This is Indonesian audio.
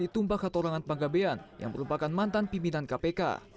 tumpah katorangan panggabean yang merupakan mantan pimpinan kpk